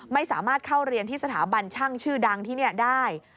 ไม่สามารถเข้าเรียนที่สถาบันช่างชื่อดังที่นี่ได้